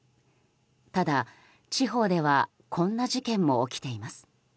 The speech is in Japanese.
ただ、地方ではこんな事件も起きています。